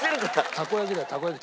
たこ焼きだよたこ焼き。